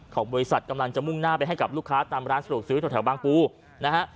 ของบริษัทกำลังจะมุ่งหน้าไปให้กับลูกค้าตามร้านสะดวกซื้อแถวบางปูนะฮะ